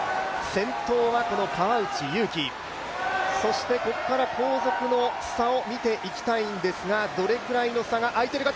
先頭は川内優輝、そしてここから後続の差を見ていきたいんですが、どれくらいの差が開いているか